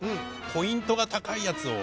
ポイントが高いやつを。